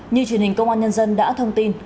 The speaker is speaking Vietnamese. như truyền hình công an nhân dân đã thông tin